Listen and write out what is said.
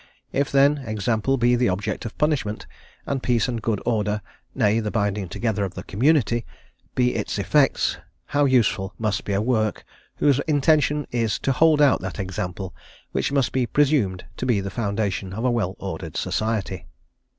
If, then, example be the object of punishment, and peace and good order, nay, the binding together of the community, be its effects, how useful must be a work, whose intention is to hold out that example which must be presumed to be the foundation of a well ordered society.